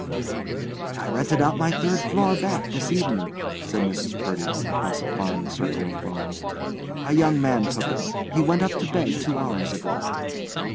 "I rented out my third floor, back, this evening," said Mrs. Purdy, across a fine circle of foam. "A young man took it. He went up to bed two hours ago."